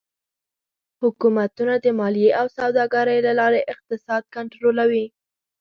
حکومتونه د مالیې او سوداګرۍ له لارې اقتصاد کنټرولوي.